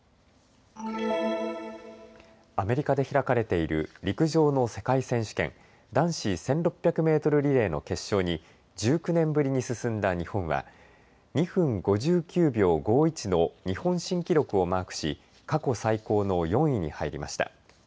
アメリカで開かれている陸上の世界選手権、男子１６００メートルリレーの決勝に１９年ぶりに進んだ日本は２分５９秒５１の日本新記録をマークし過去最高の４位に入りました。